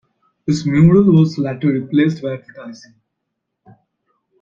This mural was later replaced by advertising.